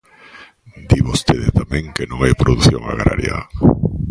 Di vostede tamén que non hai produción agraria.